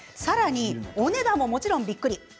さらにお値段ももちろんびっくり。